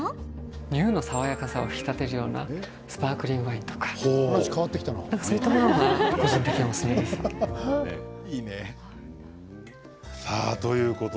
乳の爽やかさを引き立てるようなスパークリングワインとかそういったものが個人的にはおすすめです。